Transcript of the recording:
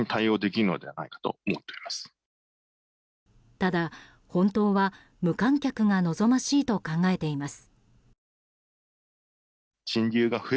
ただ、本当は無観客が望ましいと考えています。